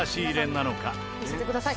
「見せてください」